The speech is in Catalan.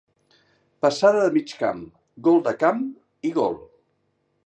passada de mig camp, gol de camp i gol.